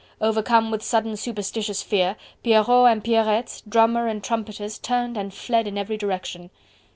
Overcome with sudden superstitious fear, Pierrots and Pierrettes, drummer and trumpeters turned and fled in every direction.